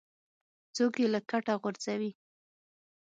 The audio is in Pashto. څوک یې له کټه غورځوي.